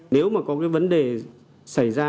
nếu mà có cái vấn đề xảy ra